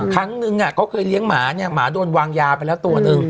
ครั้งนึงเขาเคยเลี้ยงหมาเนี่ยหมาโดนวางยาไปแล้วตัวหนึ่ง